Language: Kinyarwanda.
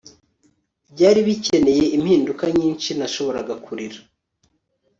Byari bikeneye impinduka nyinshi nashoboraga kurira